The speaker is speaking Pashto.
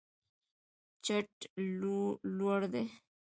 چت لوړ دی.